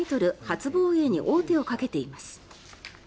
初防衛に王手をかけています。